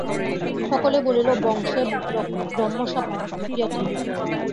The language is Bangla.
সকলে বলিল, বংশে ব্রহ্মশাপ ঢুকিয়াছে।